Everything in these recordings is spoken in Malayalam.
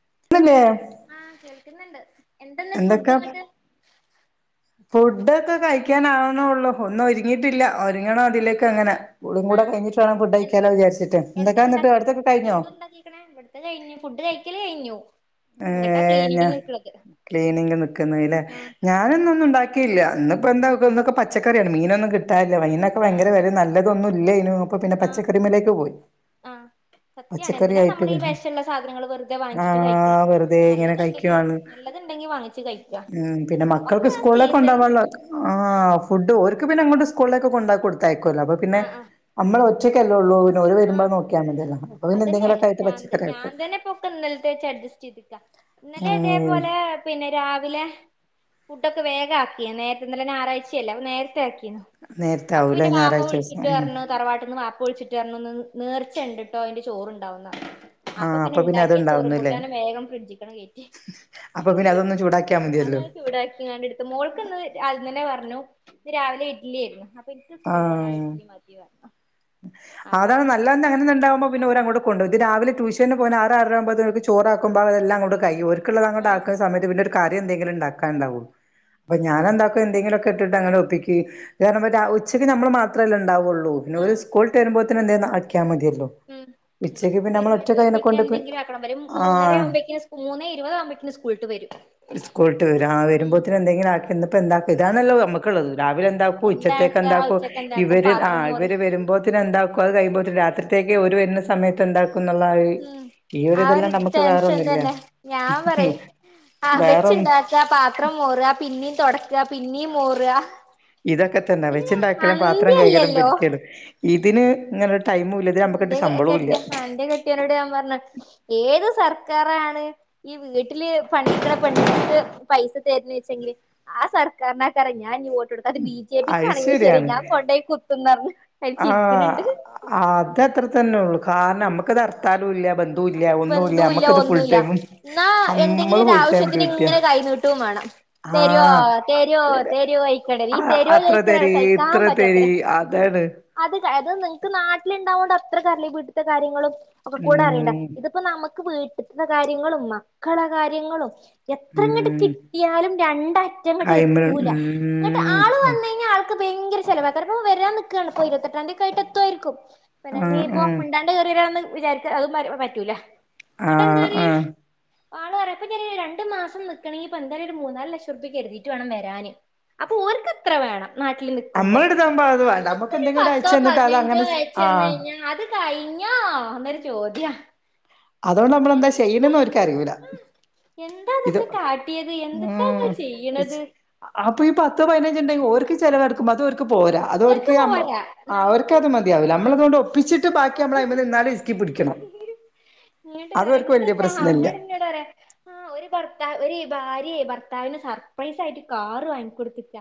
[unintelligible] ഇല്ലേ പിന്നണ്ട് എന്തന്നാ ഫുഡങ്ങട്ട് ഫുഡ് ഒക്കെ കഴിക്കാനാാവുന്നള്ളു ഒന്നും ഒരുങ്ങിട്ടില്ല ഒരുങ്ങണം അതിലേക്ക് അങ്ങനെ കൂളിയും ആ കൂടെ കഴിഞ്ഞിട്ട് വേണം ഫുഡ് കഴിക്കാലോ വിചാരിച്ചിട്ട് എന്തൊക്കാ എന്നിട്ട് എണ്ടാക്കി അടുത്തൊക്കെ കഴിഞ്ഞോ എന്ത ഉണ്ടാക്കിക്കണ ഇവിടുത്തെ കഴിഞ്ഞു ഫുഡ് കഴിക്കല് കഴിഞ്ഞു ഏ ഇങ്ങട്ടാ ഞാ ക്ലീനിങ്ങിന് നിക്കണത് ക്ലീനിങ് നിക്കുന്നല്ലെ ആഹ് ഞാനന്ന ഒന്നണ്ടാക്കി ന്നിപ്പ എന്തെ പച്ചക്കറിയാണ് മീൻ ഒന്നും കിട്ടാനില്ല ൊക്കെ ആഹ് ഭയങ്കര നല്ല ഒന്നുല്ലെന്നു അ പിന്നെ ആഹ് പച്ചക്കറി മലേക്ക് പോയി ആഹ് സത്യാണ് പച്ചക്കറി എന്തിനാ ആയിട്ട് നമ്മള് വ ഈ വിഷള്ള സാധനങ്ങൾ വെറുതെ വാങ്ങിച്ചിട്ട് ആഹ് കഴിക്കണത് വെറുതെ ഇങ്ങനെ കയിക്കുവാ നല്ലതുണ്ടെങ്കില് നല്ലതുണ്ടെങ്കി വാങ്ങിച്ച് കഴിക്ക പിന്നെ ഒക്കെ മക്കൾക്ക് ആ സീസണില് സ്കൂിലെെോകൊണ്ടുപോവാൻ ആഹ് ഫുഡ്‌ ഓർക്ക് പിന്നെ എങ്ങോട്ട് സ്കൂളൊക്കെ കൊണ്ട കൊടുും ല്ല അപ്പൊ പിന്നെ ആഹ് ആഹ് നമ്മള ഉച്ചയ്ക്കല്ല ഉള്ളൂ വരുമ്പോ ആഹ് നോക്കിയാ മതില്ലോ അതന്നെയാണ് ഞാൻ തന്നെ ഇപ്പൊക്കെ ഇന്നലത്തെ വച്ച് അഡ്ജസ്റ്റ് ചെയ്തുക്ക ഇന്നലെ ഉം ഇതേപോലെ പിന്നെ രാവിലെ ഫുഡ്ൊക്കെ വേഗ ആക്കി നേരത്തെ ഇന്നലെ ഞായറാഴ്ചല്ല അപ്പൊ നേരത്തെ നേരത്തെ അപ്പൊ ആവൂലേ പിന്നെ വാപ്പ ഞായറാഴ്ച ദിവസം വിളിച്ചിട്ട് ഉം പറഞ്ഞു തറവാട്ടി നിന്ന് വാപ്പ വിളിച്ചിട്ട് ന്ന് നേർച്ചുണ്ട് ട്ടോതി ചോറുണ്ടാവുന്നാണ് അപ്പൊ പിന്നെ ഉണ്ടാക്കിയ ചോറും കൂട്ടാനും വേഗം ഫ്രിഡ്ജിക്കണം കയറ്റി അപ്പൊ പിന്നെ അതൊന്ന് ചൂടാക്കിയാൽ അത മതിയല്ലോ ചൂടാക്കിങ്ങടുത്ത് മോൾക്ക്ന്ന് അന്നെ പറ രാവിലെ ഇഡ്ലി ആയിരുന്നു അ എനിക്ക് സ്കൂൾ കൊണ്ട ആഹ് ഇഡലി മതി പറഞ്ഞണം അതാണ് നല്ലന്ന് അങ്ങനന്നണ്ടാവുമ്പോ പിന്നെര അങ്ങോട്ട കൊണ്ട്ും ഇ രാവില ്യൂഷന് പോ ആറ് ആകോത്ക്ക് ചോറുമ്പോൾ അതല്ലാം അോട്ട കഴയിുംർ ആഹ് ണ്ടാക്കുന്ന സമയത്ത് കാര്യം എന്തെങ്കിലും ഉണ്ടാക്കാ ഉണ്ടാവുള്ളൂ അപ്പൊ ഞാാന എന്താക്കോ എന്തെങ്കിലും ഒക്കെ ഇട്ടിട്ട് അങ്ങനെ ഒപ്പിക്കക്ക്ാര ഉച്ചയ്ക്ക് നമ്മൾ മാത്രമേല്ലേ ഉണ്ടാവുള്ളൂ ആഹ് സ്ോൾ് വരുമ്പോൾന്ന എന്ത അക്കിയാ മതി ല്ല ഉം ഇനിയിപ്പോ ഉച്ചക്ക് സ്കൂൾ പിന്നെ നമ്മൾ ഒറ്റ വരുമ്പോഴേക്ക് കനെ വരുമ്പോഴേക്കിന് കൊണ്ട് എന്തെങ്കിലും ആക്കണം ഇവര് ആ മൂന്നര ആവുമ്പോഴേക്കിന് മൂന്നേ ഇരുപത് ആവുമ്പോഴേക്കിന് സ്കൂളിട്ട് വരും സ്കൂളട്ട് വരാ വരുമ്പോ ഉം എന്തെങ്കിലും ആക്കിപ്പോ എന്ത ഇതാനണല്ല നമ്മക്കുള്ളള്ളത് രാവിലെ എന്താക്കും ഉച്ചത്തേക്ക് എന്താക്കാ എന്താക്കും ഉച്ചക്ക് എന്താക്കും ഇവര് ആ പാത്രം മോറ് ഇവര് വരുമ്പോൾ അത് കൈ പോോ രാത്രിത്തേക്ക് ഒരു എന്ന സമയത്ത് എന്തും ഉം ആ ഒരു ടെൻഷൻ വേറൊന്നുല്ല തന്നെ ഞാൻ പറയും ആ വേറൊന്നും വെച്ചുണ്ടാക്കാ പാത്രം മോറുക പിന്നെയും തുടക്ക പിന്നീ മോറ ഇതൊക്കെ തന്നെ വെച്ചിണ്ടാക്കലും പാത്രം കൈകലും അന്ത്യല്ലല്ലോ പലിക്കലും അതിന് ഞ എന്റെ കെട്ടിയ എന്റെ കെട്ടിയനോട് ഞാൻ പറഞ്ഞ ഏത് സർക്ക സർക്കാണ് ഈ വീട്ടില് പണിുള്ള പെണ്ൾക്ക് പൈസ ത വെച്ചെങ്കിൽ ആ സർക്കന ഞൻ ടു അത് ബി അത് ജെപിക്ക്ാണെങ്കും ശരി ശരിയാണ് ഞാൻ കൊണ്ട പോയി കുത്തന്ന്ഞ്ഞന്ന് അരി ചിരിക്കുന്നുണ്ട് അത്രത്തന്നെ ഉള്ള കാരണം നമുക്കിത് അർത്ഥ ബന്ധ ഇല്ല ഒന്നുംല്ല ബന്ധുല്ല നമ്മക്കത് ഫുൾ ഒന്നുല്ല ടൈമ എന്നാ എന്തെങ്കിലും നമ്മള് ഫുൾടൈം ഡ്യൂട്ടിയ തരുോ തരുോ തരുോ കഴക്കടൽ ഈ ആഹ് തെരുോ അത്ര കഴക്ക തരി കഹിക്കാൻ ഇത്ര പറ്റത്ര തരി അതാണ് അത് അ നിങ്ങൾക്ക് നാട്ടിലിണ്ടാവോണ്ട് അത്ര കറല്ല വീടുത്തെ കാര്യങ്ങളും ഒപ്പൊ കൂട അറിയണ്ട ഉം ഇതിപ്പോ നമുക്ക് വീട്ടിൽ ഇത്തെ കാര്യങ്ങളും മക്കള കാര്യങ്ങളും എത്ര ഇങ്ങട്ട് ഉം കിട്ടിയാലും രണ്ട അറ്റംങ്ങട്ട് കൈമ എത്തൂല എന്നങ്ങട്ട് ആള് ഉം വന്ന കഴിഞ്ഞാൽ ആൾക്ക് ഭയങ്കര ചിലവ് അത്രാര വരാൻ നിൽക്കുകാണ് ഇപ്പോ ഇരുപത്തെട്ടാം തയതിക്കായിട്ട് എത്തുായിരിക്കും പിന്നെ ആഹ് നീയിപ്പോ ആഹ് മുിണ്ടാണ്ട് കേയറിയരന്ന് വിചാരിക്ക അത് [inaudible] റ്റൂല അ ആ ആള് പറ ഇപ്പം ഞാൻ രണ്ട് മാസം നിൽക്കെണി ഇപ്പോ എന്തായാലും ഒരു മൂന്നാല് ലക്ഷം റുപ്പയ്ക് എടുത്തിട്ട് വേണം വരാന് അപ്പോ ഓര്ക്ക് എത്ര വേണം നാട്ടിൽ നിക്കുമ്പോ നമ്മളെടുത്താകുമ്പോ അത് വേണ്ട നമ്മക്ക് നമ്മുക്ക് ഒരു എന്തെങ്കിലും പത്തോ അയച്ചു തന്നിട്ട് അത് പതിനഞ്ചോ അങ്ങനെ ആഹ് അയച്ചെന്നയിഞ്ഞാ അത് കയിഞ്ഞോ എന്നൊരു ചോദ്യാ അതുകൊണ്ട് നമ്മൾന്താ എന്തൊക്കെയാ ചെയ്യണന്ന് ഓല്ക് അറിയൂല എന്താ ഇത് ഇതൊക്കെ കാട്ടിയത് എന്ത്ത്താ ഉം ഇങ്ങള് ചെയ്യണത് അപ്പൊ ഈ പത്തോ പതിനഞ്ച് ഉണ്ടങ്കിൽ ഓർക്ക് ചെലവ് നട [unintelligible] പോരാ അത് ഓര്ക്ക് അവർക്ക് പോരാ അവർക്ക് നമുക്ക് അത് മതിയാവില്ല ആഹ് നമ്മളതുകൊണ്ട് ഒപ്പിച്ചിട്ട് ബാക്കി നമ്മള് ഒപ്പിച്ചിട്ട് അതിൽമന്ന് ഇസ്‌ക്കി പിടിക്കണം ഇങ്ങട്ട് പറയാ അതവർക്ക് വലിയ ഇങ്ങട്ടെന്താ പ്രശ്നല്ല ഭർത്താവ് ഒരു ഭാര്യ ഭർത്താവിന് സർപ്രൈസ് ആയിട്ട് കാറ് വാങ്ങിക്കൊട്ത്ത്ട്ട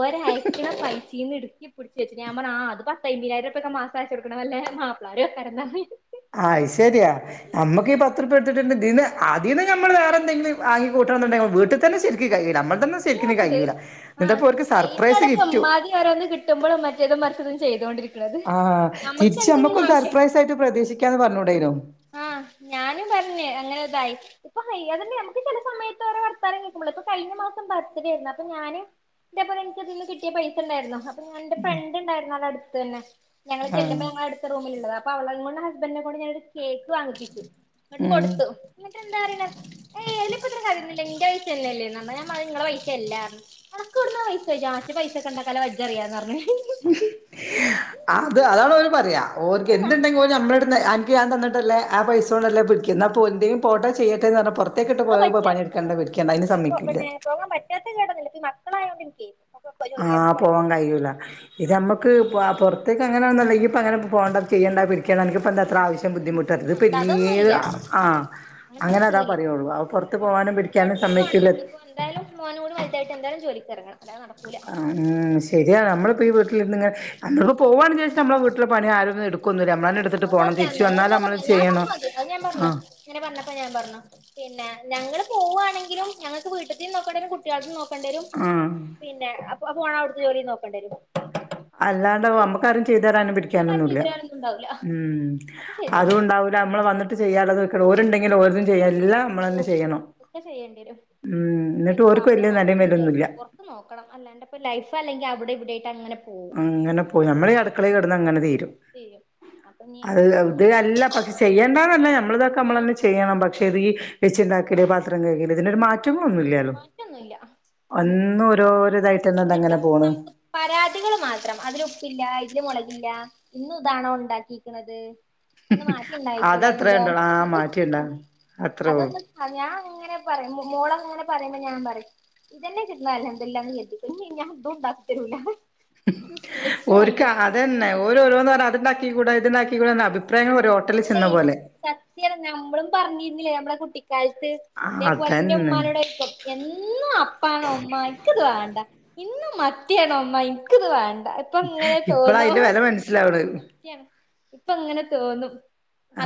ഓര് അയക്കണ പൈസീന്ന് ഈ പിടിച്ച വെച്ച ഞാൻ ആ അത് പത്ത അയ്മ്പതിനായിരം രൂപൊക്കെ മാസയച്ച കൊടുക്കണ വല്ല മാപ്പിളാരും ആയിരി ആഹ് ശരിയയാ നമുക്ക്ഈ പത്ത്ഉർപ്യ എട്ടുണ്ട് അതിൽന്ന് നമ്മൾ വേറെ എന്തെങ്കിലും വാങ്ങി കൂട്ടണം എന്നുണ്ടെങ്കിൽ വീട്ടിൽ തന്നെ ശരി ത്യണത് ആ എന്നിട്ടപ്പോ ഓര്ക്ക് സർപ്രൈസ് അയിന്ടപ്പ ഗിഫ്റ്റ് ഇമ്മാതി ഓരോന്ന് കിട്ടുമ്പോഴും മറ്റേതും മറിച്ചേതും ചെയ്തോണ്ടിരിക്കും ആഹ് നമുക്ക് തിരിച്ച് എന്തെങ്കിലും നമ്മക്കും ആവശ്യം സർപ്രൈസ് ആയിട്ട് പ്രതീക്ഷിക്കാന്ന് പറഞ്ഞൂടേനോ ആ ഞാന് പറഞ്ഞ് അങ്ങനെതായി ഇപ്പൊ ഹൈ അതന്നെ നമുക്ക് ചില സമയത്ത് വരെ വർത്താനം കേക്കുമ്പളേ പ്പ കയ മാസം ബർത്ത്ഡേരുന്നു അപ്പൊ ഞാന് ഇതേപോലെ എനിക്കതിന്ന് കിട്ടിയ പൈസ ഇണ്ടായിരുന്നു അപ്പൊ ഞാൻ എന്റെ ഫ്രണ്ട് ഉണ്ടായിരുന്നു അടെ അടുത്ത് തന്നെ ഞങ്ങള് ആഹ് ചെല്ലുവ്വോ ഞങ്ങടെ അടുത്ത റൂമിലള്ളതാ അവളെക്കൊണ്ട് ഹസ്ബൻഡെ കൊണ്ട് ഞാനൊരു കേക്ക് വാങ്ങിപ്പിച്ചു ന്നട്ട് ഉം കൊടുത്തു എന്താ പറയണ ആയിൽ ഇത്രം കാര്യന്നുല്ല ന്റെ പൈസ തന്നെ അല്ലേ ന നിങ്ങളെ പൈസല്ല അനക് എവ്ട്ന്ന പൈസ, ഇജ്ജ് പൈസക്കെ ഉണ്ടാക്കാനുള്ള വജ അറിയാന്ന് പറഞ്ഞ് അത് അതാണ് ഓര് പറയാ ഓല്ക്ക് എന്തുണ്ടെങ്കിൽ ഒരു ഞമ്മോട് അ നക്ക് ഞാൻ തന്നിട്ടല്ലേ ആ പൈസ കൊണ്ടല്ലേ പിടിക്കുന്ന [inaudible] പോട്ട ചെയ്യ ന്ന് പറഞ്ഞ പുറത്തേക്കിട്ട് അത് പോയ പറ്റും ആഹ് പണിയെടുക്കേണ്ട പിടിക്കണ്ട അതിന് സമ്മതിക്കുല്ല ക്ളായൊണ്ട് നിക്ക് ആ പോവാൻ കഴിയൂല ഇത് ആഹ് നമ്മക്ക് അ പൊറത് ഇത്തക്കങ്ങനൊന്നുല്ലെങ്കി ഇപ്പ അങ്ങനെ പോവണ്ട ചെയ്യേണ്ട പിടിക്കണ്ട അനക്കിപ്പോ എന്തത്ര ആഹ് ആവശ്യം ബുദ്ധിമുട്ട് ഇത് ആഹ് പിന്നീ അതൊന്നുല്ല ആ അങ്ങനത്തെ അങ്ങനെ അതാ പ്രശ്നൊന്നുല്ല ഇപ്പം പറയുള്ളു ആ പുറത്ത് ആഹ് പോവാനും പിടിക്കാനും പഠിച്ചതും ആണ് സമയ്ക്കുല്ല ഇനിയിപ്പോ എന്തായാലും മോനും കൂടി വലുതായിട്ട് എന്തായാലും ജോലിക്ക് എറങ്ങണം അല്ലാതെ നടക്കൂല മ് ശരിയാണ് നമ്മളിപ്പോ ഈ വീട്ടിൽന്ന് ഇങ്ങ് അന്നൊട് പോവാണ് ജേ നമ്മള വീട്ടില് പണി ആരും വന്നടുക്കൊന്നില്ല അത് സത്യല്ലേ [unintelligible] പറഞ്ഞ ഞാൻ പറഞ്ഞ അത് ഞാൻ പറഞ്ഞു ആഹ് അങ്ങനെ പറഞ്ഞപ്പോ ഞാൻ പറഞ്ഞു പിന്നെ ഞങ്ങള് പോവാണെങ്കിലും ഞങ്ങൾക്ക് വീട്ടീതിം നോക്കണ്ടെരും കുട്ട്യാളേം നോക്ക ണ്ടരും ആഹ് പിന്നെ അപ് അപ്പോ പോണ അവിടുത്തെ ജോലിയും നോക്കണ്ടെരും അല്ലാ അമ്മക്കാരും ചെയ്ത നമുക്ക് ആരും അതണ്ടില്ല ചീത്തപറയാനൊന്നും ഉണ്ടാവൂല്ല ഒക്കെ ശരിയാണ് നമ്മ വിട്ട ചെയ്യാുള്ളത് ഒരുണ്ടെിലിൽ ഒരു ഓ ഒക്കെ ചെയ്യേണ്ടി വരും ഉം ഇ എന്നിട്ട് ഇപ്പ ഓർക്ക് അവിടെ വലിയ നെലേം നോക്കണംന്ന് വെലൊന്നുല്ല വിചാരിച്ച പുറത്ത് നോക്കണം അല്ല എപ്പ ലൈഫ അല്ലെങ്കിൽ അവിടെ അങ്ങനെ പോവും അങ്ങനെ പോയി നമ്മള ഈ അടുക്കളയി കിടന്ന് അങ്ങനെ തീരും ചെയ്യും അപ്പൊ നീ അത് ഇത് ഇനിയിപ്പോ അല്ല പക്ഷെ ചെയ്യേണ്ടന്നല്ല നമ്മള ഇതൊക്കെ നമ്മൾ ഉം തന്നെ ചെയ്യണം പക്ഷെ ഇത് വെച്ചു ഉണ്ടാക്ക പത്രം ക മാറ്റി ഒറ്റ ഒന്നുമല്ലല്ലോ മാറ്റൊന്നുല്ല എന്നിട്ടും നമുക്ക് പരാതികൾ മാത്രം അതില ഉപ്പില്ല ഇതില് മുളകില്ല ഇന്ന ഇതാണോ ഉണ്ടാക്കിരിക്കണുന്നത് ഒന്ന് മാറ്റിണ്ടായിക്കൂട അതത്രേ എങ്കിലോ ഉണ്ടോളൂ ആ അ മാറ്റിണ്ടാവും അത്രേ ഉള്ളൂ അതൊന്ന് ഞാൻങ്ങനെ പറ മോള അങ്ങനെ പറയ ഞാ പറയും ഇതന്നെ കിട്ടുന്ന അല്ലോ എെല്ലാംതി ഇഞ ദോ ദാ തരുല്ല ഒരുക്ക അതന്നെ ഓരോരോന്ന് പറഞ്ഞ അത്ണ്ടാക്ക ആ കൂട ഇതിനാക്കിൂ അല്ലേ സത്യല്ല നമ്മളും പറഞ്ഞിരുന്നില്ലേ നമ്മള കുട്ടി കാലത്ത് ഇേ പോലെ എറെ അതന്നെ ഉമ്മാനോട് എന്നും അപ്പണ ഉമ്മാക്ക്ത് വേണ്ട ഇന്നും മത്യാനം അമ്മ ഇക്ക്ത് വേണ്ട ഇപ്പൊ ഇങ്ങനെ ഇപ്പൾ തോന്നും അതിന്റെ വില മനസ്സിലാവണ ഇപ്പ ഇങ്ങനെ തോന്നും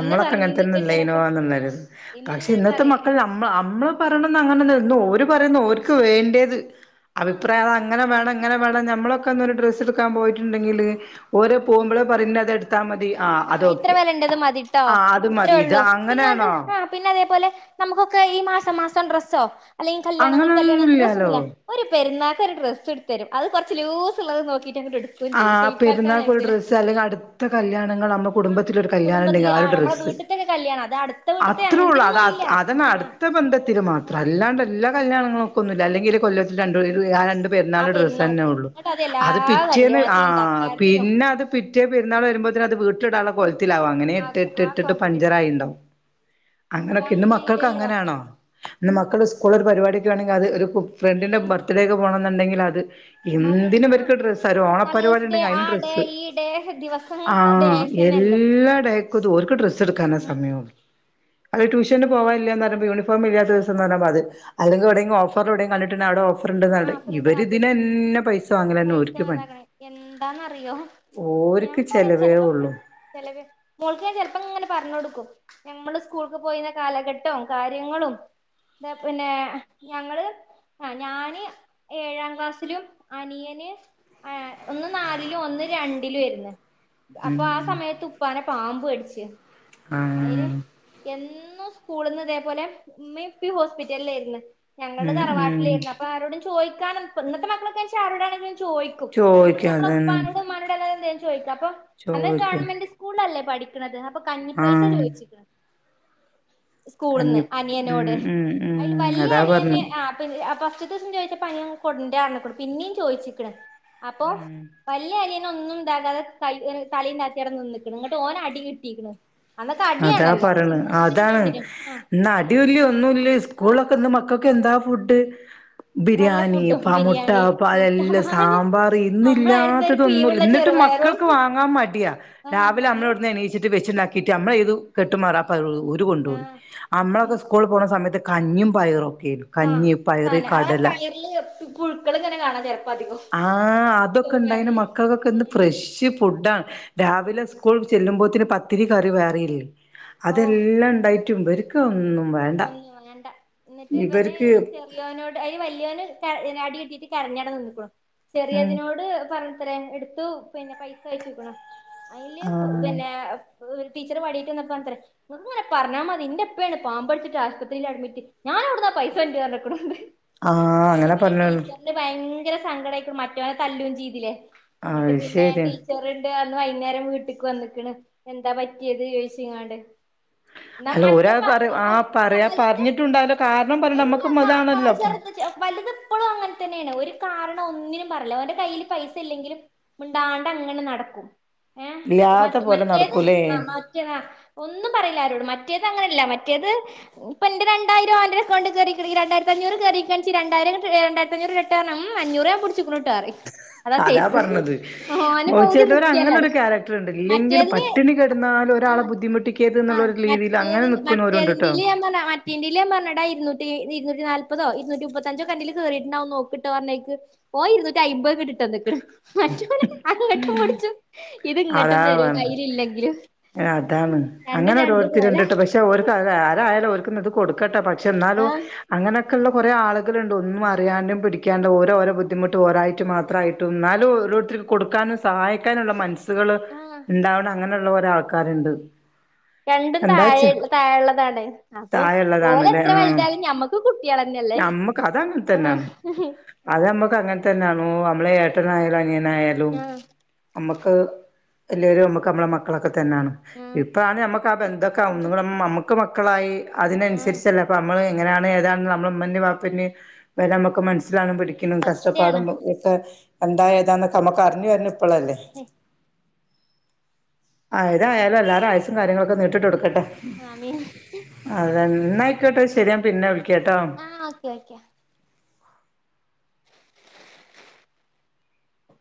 അന്ന് അങ്ങനെ തന്നെ പറഞ്ഞീന്നൊക്കെ ചെലപ്പോ ആഹ് ഇല്ലൈനോന്നുള്ളായിരുന്നു ഇമ്മ പക്ഷെ ഇങ്ങനെ ഇന്നത്തെ മക്കൾ പറയും നമ്മ നമ്മ പറയണംന്ന് അങ്ങനെ ര് പറയുന്ന ര്ക്ക് വേണ്ടേത് ആഹ് അഭിപ്രായം അ അങ്ങനെ വേണ അങ്ങന വേണം നമ്മളൊക്കെ ഒന്നരു ഡ്രസ്സ് എടുക്കാൻ പോയിട്ടുണ്ടെങ്കില് ഓര പോക്പോേ പറ അത എടുത്താൽ മതി ആ അത് ആഹ് ഇത്ര ഓക്കെ മേല ഉണ്ടത് മതി് കേട്ട ആഹ് അത് ഇത്രയേ മതി ഇത് ഉള്ളൂ പിന്നെത് അങ്ങനെയാണോ പിന്ന അതേപോലെ നമുക്കൊക്കെ ഈ മാസം മാസം ഡ്രസ്സോ അല്ലെങ്കിൽ കല്യാണൾ കല്യാങ്ങൾക്ക് അങ്ങനൊന്നുല്ലാലോ പ്രസംന്നുമല്ല ഒരു പെരുന്നാ ഇച്ചെരു ഡ്രസ്സ് ട്ത്തരും അത് കുറച്ച് ലൂസ് ഉള്ളത് നോക്കിട്ട് അങ്ങട്ട് എടുക്കുകയും ആ ചെയ്യും ഷെയ്പ്പാക്കാൻ പെരുന്നാൾക്ക് ഒരു അയക്കൂല ഡ്രസ്സ് അല്ലെങ്കിൽ അടുത്ത കല്യാണം [unintelligible] ആഹ് നമ്മളെകുടുംബത്തിലെരു കല്യാണ ഉണ്ടെങ്കിൽ കുടുംബത്തില് ആ ഒരു ആഹ് നമ്മളെ ഡ്രസ് വീട്ട്ത്തൊക്കെ കല്യാണം അത് അടുത്ത വീട്ട്ത്തെ അത്ര ഒള്ളു അങ്ങനത്തിനൊന്നും ഇല്ല അതന്നെ ആഹ് അടുത്ത ബന്ധത്തിൽ മാത്രം ആഹ് അല്ലാണ്ട് എല്ലാ കല്യാണങ്ങളും ക്കൊന്നുല് അല്ലെങ്കില് കൊല്ലത്തിൽ രണ്ട് [unintelligible] ആഹ് രണ്ട് ആ പെരുന്നാള് ഡ്രസ്സന്നെ പെരുന്നാക്ക് ഒള്ളു എന്നിട്ട് എല്ലാ അത് പി പിറ്റേന്ന് കല്യാണത്തിനും ആഹ് തക്കാരത്തിനും പിന്നെ അത് പിറ്റേ പെരുന്നാൾ വെരുമ്പോത്ത്ന് അത് വീ റ്റുടാള പോയത് ത്തിലാവാ അങ്ങനെ ഇട്ട് ആഹ് ഇട്ട് ആഹ് ഇട്ട്ട്ട്പഞ്ചർ കോലത്തിലിട്ട് ആയിണ്ടാവും ഇപ്പൊ അങ്ങനെക്കെ ഇന്ന് മക്കൾക്ക് അങ്ങനെയല്ലല്ലോ അങ്ങനെയാണോ ഇന്ന് മക്കൾ സ്കു കൂള് ഒരു പരിപാടിക്ക്യേണെങ്ക് അത് ഒരു കുഫ് ഫ്രണ്ടിന്റെ ബർത്ത്ഡേ ക്കെ പോണം ന്ന്ണ്ടെങ്കിൽ അത് അത് എന്തിനും ആ ഇബർക്ക്ഡ്രസ്സ് ത്തരു ഓണപരിപാടി കളേഴ്സ് ഡേ ഇണ്ടങ്കി അയ്ന് ആ ഡേ ഡ്രസ്സ് ഈ ഡേ ദിവസം ആഹ് ഡേയ്സ് തന്നെയല്ലേ എല്ലാഡേ ക്കു ഇക്ക്ത് ഓൽക്ക്ഡ്രസ് ടുക്കാനെ ഉം സമയൊള്ളു അഹ് ട്യൂഷന് പോവാൻ ല്ലാന്ന് പറയുമ്പോ യൂണി ഫോംഇല്ലാത്ത ദിവസന്നാ [unintelligible] ലാർമതി അല്ലെങ്കി ഔടെ [unintelligible] ഓഫറ് ഔടെകണ്ടിട്ടുണ്ട അവിടെ ഓഫ് ഓഫർ ആ ഇണ്ടതവ്ടെ ഇവര് ഇതില ന്നെ പൈസ വങ്ങലന്നെ ഓര് എന്താന്നറി എന്താന്നറിയൊ ഞാൻ ഓര്ക്ക് പ റിം ചെലവേ ചെല് പ്പൊക് ഉള്ളൂ [unintelligible] ചെലെവെ മോൾക്ക് ചെൽപ്പങ്ങനെ പറ്ഞ്ഞൊടുക്കും ഞമ്മള് സ്കൂൾക്ക് പോയിന്ന കാലഘട്ട്വം കാര്യങ്ങളും ഹ് പിന്നെ ഞങ്ങള് ആഹ് ഞാന് ഏഴാം ക്ലാസ്സിലും അനിയന് എ ഒന്ന് നാലിലും ഒന്ന് രണ്ടിലും ഏര്ന്നു അപ്പ ഉം ആഹ് സമയത്ത് ഉപ്പാനെ പാമ്പ്കട്ച്ച് അയ്ര് ആഹ് എന്ന് [unintelligible] സ്കൂളിന്ന് ഇതേപോലെ ഇമ്മേം ഇപ്പേം ഹോസ്പിറ്റലിലായിരുന്നു ഞങ്ങള് ഉം ഉം തറവാട്ടിലായിരുന്നു അപ്പൊ ആരോടും ചോ ചോയിക്കാനും പ് ഇന്നത്തെ മക്കളൊക്കെ ച്ചാ ആരോടാണങ്കിലും ചോയിക്കും നമ്മള് ചോദിക്കും നമ്മളെ അതന്നെ ഉപ്പാനോടും ഉമ്മാനോടും അല്ലാതെ എന്തേ [unintelligible] [unintelligible] അന്ന് ചോദിക്കും ഗവൺമെന്റ് സ്കൂളിൽ അല്ലേ പഠിക്കണത് ആ പ്പൊ കഞ്ഞിപ്പായിസാ ആഹ് ചോയിച്ച് ക്കണ് കഞ്ഞി സ്കൂളിന്ന് അനിയനോട് ഉം ഉം ഉം അയില് വല്യ അതാ പറഞ്ഞ് അനിയന് ആ പ് അപ്പൊ [unintelligible] ദിവസം ചോയിച്ച [unintelligible] പിന്നേം ചോയിച്ച്ക്കണ് അപ്പൊ വല്യ അനിയൻ [unintelligible] ഒന്നും ഇതാക്കാതെ കൈ ഏഹ് തലയും താഴ്ത്തി അവിടെ നിന്ന്ക്കണ് എന്നിട്ട് ഓന് അടി കിട്ടീക്കണ് അതാ പറയണ് അതാണ് ആ ഇന്ന് അടിയൂല്യ ഒന്നൂല്യ ആ സ്കൂളൊക്കെ ഇന്ന് മക്കക്കെന്താ ഫുഡ് നല്ല ബിരിയാണി ഫുഡും പ മുട്ട ബിരിയാണി പാലെല്ലാം മുട്ടപാല് സാമ്പാർ നമ്മളായിരുന്ന ഒരു ഇന്നില്ലാത്തതൊന്നുമില്ല പീവുള്ള എന്നിട്ടും ചെറുപയറും മക്കൾക്ക് വാങ്ങാൻ മടിയാ ആ രാവിലെ ഞമ്മള് നമ്മളിവിടുന്ന് എണീച്ചിട്ട് വെച്ചിണ്ടാ നമ്മളിയെഴുത്തു കെട്ടും. [unintelligible] ഓര് കൊണ്ടു ആ ഓടി നമ്മളൊക്കെ സ്കൂൾ പോണ സമയത്ത്. കഞ്ഞിയും പയറും ഒക്കെയായിരുന്നു ആഹ് കഞ്ഞി പയറ് സാരമില്ല ആ കടല പയറില് പുഴുക്കൾ ഇങ്ങനെ കാണാം ചിലപ്പോ അധികം. ആഹ് അതൊക്കെ ഇണ്ടായിന് ചെറുപയറില് മക്കൾക്കൊക്കെ എന്ത് ഫ്രഷ് ഫുഡാണ് ആ രാവിലെ സ്കൂളിൽ. ചെല്ലുമ്പോത്തിന് പത്തിരി കറി വേറെയില്ലേ. ഓ അതെല്ലാം ഇണ്ടായി. പറ്റും ഇവരൊക്കൊന്നും. ഒന്നും വേണ്ട എന്നിട്ട് ഇവനെ ഇവർക്ക് ഈ ചെറിയോനോട് എടി വല്യയോന്. ട്ട് ഇവൻ അടി കിട്ടിയിട്ട് കരഞ്ഞാണ്ട് നിൽക്കും. ഉം ചെറിയതിനോട് പറഞ്ഞ ഇത്ര എടുത്തു പിന്നെ പൈസ അയച്ചുക്കേണേ. അയില് പോ ആഹ് പിന്നെ. ഏഹ് ഒരു ടീച്ചർ വടിയായിട്ട് വന്നുപ്പോ കണ്ട്, ഒന്നും അല്ല പറഞ്ഞാൽ മതി എന്റെ ഉപ്പയാണ് പാമ്പ്. ആശുപത്രിയിൽ അഡ്മിറ്റ് ഞാനവിടെന്നാ പൈസ വാങ്ങിച്ചു പറഞ്ഞേക്കേണ്. ആഹ് അങ്ങനെ പറഞ്ഞോ. ഭയങ്കര സങ്കടായിട്ട് മറ്റോനെ തല്ലും ചെയ്തില്ലേ. എന്നിട്ട് അത് പിന്നെ ശരി ടീച്ചർണ്ട് വൈകുന്നേരം വീട്ടിക്ക് വന്ന്ക്കണ് എന്താ പറ്റിയത് ചോദിച്ചങ്ങാണ്ട്. അല്ല ഒരാൾ പറയും ആ ആ പറയാ വലുത് പറഞ്ഞിട്ടുണ്ടാവല്ലോ കാരണം പറഞ്ഞ അല്ല നമ്മുക്കും ക ക ചെ അതാണല്ലോ ഇപ്പം ചെറുത് വലുത് എപ്പോഴും അങ്ങനെ തന്നെയാണ് ഒരു കാ ഒന്നിനും പറയില്ല ഓന്റെ കയ്യിൽ പൈസ ഇല്ലെങ്കിലും മിണ്ടാണ്ടങ്ങനെ നടക്കും. ഏ ഇല്ലാത്ത മറ്റേ പോലെ മറ്റേത് നടക്കൂലേ ആ മറ്റേത് ഒന്നും പറയില്ല ആരോടും മറ്റേത് അങ്ങനെയ ഇല്ല മറ്റേത് ഇപ്പൊ എന്റെ രണ്ടായിരം ഓന്റെ അക്കൗണ്ടിൽ കേറിയിരിക്കണ് രണ്ടായിരത്തി അഞ്ഞൂറ് കേറികാണിച്ച് രണ്ടായിര രണ്ടായിരത്തഞ്ഞൂറ് റിട്ടേണും അഞ്ഞൂറ് ഞാൻ പി അതാ പറഞ്ഞത് ഓന് പകുതി ചിലവർ അങ്ങനെ മുക്കിയാലാണ് ഒരു ക്യാരക്ടർ ഉണ്ട് ഇല്ലെങ്കിൽ മറ്റേതിന് പട്ടിണി കിടന്നാലും ആ ഒരാളെ ബുദ്ധിമുട്ടിക്കരുത് എന്നുള്ളോരു രീതിയിൽ അങ്ങനെ നിൽക്കുന്നവരുണ്ട്ട്ടോ. ഇല്യ ഞാൻ പറഞ്ഞേ മറ്റേന്റെയിൽ ഞാൻ പറഞ്ഞു ടാ ഇരൂന്നൂറ്റി ഇരുന്നൂ നാല്പതോ ഇരൂറ്റി മുപ്പത്തഞ്ചോ അന്റെയിൽ കേറിട്ടുണ്ടാവും നോക്ക്ട്ടോ പറഞ്ഞേക്ക് ഓ ഇരുന്നൂറ്റി അയ്മ്പത്ക്ക് ഇട്ട്തന്നേക്കണ്. മറ്റോനെ അങ്ങട്ടും പിടിച്ചു ഇത് ഇങ്ങട്ടും അതാ തരും പറഞ്ഞത്. കയ്യില് ഇല്ലെങ്കിലും അതാണ് രണ്ടും അങ്ങനെ രണ്ട് പോലെയാ. ഇന്നത് കൊടുക്കട്ട പ പക്ഷെ എന്നാലും അങ്ങനെ ക്കുള്ള കുറെ ആളുകളുണ്ട് ഒന്നും അറിയാണ്ടും പിടിക്കാണ്ടും ഓരോരോ ബുദ്ധിമുട്ടും ഓരായിട്ട് മാത്രമായിട്ട് എന്നാൽ ഓരോരുത്തരിക്കു കൊടുക്കാനും സഹായിക്കാനുള്ള മനസ്സ് ഉള്ളവര് ആഹ് ഉണ്ടാകണം അങ്ങനെയുള്ള ഒരാൾ ആൾക്കാരുണ്ട് രണ്ടും എന്താച്ച താഴെ താഴെ ഉള്ളതാണ് അപ്പൊ ഓൾ താഴെയുള്ളതാണല്ലേ എത്ര ആ വലുതായാലും ഞമ്മക്കു കുട്ടികളന്നെയല്ലേ നമ്മക്ക് അത് അങ്ങനെ ആ തന്നെയാണ് [unintelligible] മം അങ്ങനെ ആണ് [unintelligible] എന്നായാലും ആഹ് നമ്മക്ക് എല്ലാരും നമുക്ക് നമ്മടെ മക്കളൊക്കെ തന്നെയാണ് ആഹ് ഇപ്പാണ് നമ്മക്ക് അപ്പ ആ ബന്ധമൊക്കെ [unintelligible] നമുക്ക് മക്കളായി ആഹ് അതിനനുസരിച്ചല്ലേ അപ്പ നമ്മള് എങ്ങനെയാണ് ഏതാണ് നമ്മടെ ഉമ്മൻറെ വാപ്പെൻറെ വില നമുക്ക് മനസ്സ് ത്തില പഠിക്കുന്നതും കഷ്ടപ്പാടും സത്യാണ് ഒക്കെയിട്ട് എന്തായതാന്നൊക്ക നമക്ക് അറിഞ്ഞു വരുന്ന അപ്പളല്ലേ ആയതായാലും എല്ലാരുടെയും ആയസ്സും കാര്യങ്ങളൊക്കെ നീട്ടിട്ട് കൊടുക്കട്ടെ ആമീൻ അതെ എന്നായിക്കോട്ടെ ശരിയാ പിന്നെ വിളിക്കാട്ടോ ആ ഓക്കെ ഓക്കെ